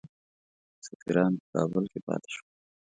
سفیران په کابل کې پاته شول.